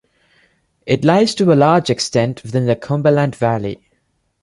It lies to a large extent within the Cumberland Valley.